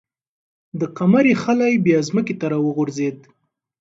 د قمرۍ خلی بیا ځمکې ته راوغورځېد.